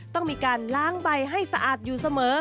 ต้องมีการล้างใบให้สะอาดอยู่เสมอ